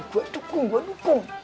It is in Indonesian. gue dukung gue dukung